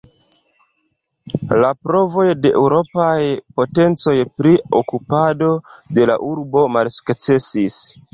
La provoj de eŭropaj potencoj pri okupado de la urbo malsukcesis.